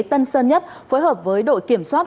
tân sơn nhất phối hợp với đội kiểm soát